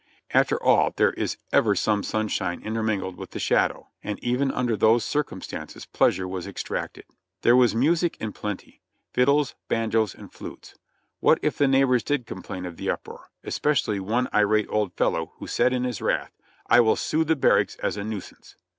After all, there is ever some sunshine intermingled with the shadow, and even under those circumstances pleasure was ex tracted. There was music in plenty: fiddles, banjos and flutes. What if the neighbors did complain of the uproar, especially one irate old fellow, who said in his wrath, "I will sue the barracks as a nuisance